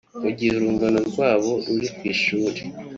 mu gihe urungano rwabo ruri ku ishuri